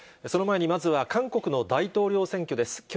その前にまずは韓国の大統領選挙です。